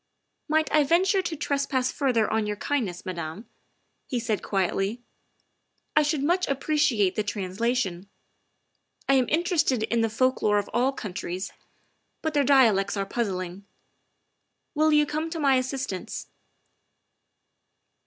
" Might I venture to trespass further on your kind ness, Madame?" he said quietly. " I should much ap preciate the translation. I am interested in the folk lore of all countries, but their dialects are puzzling. Will you come to my assistance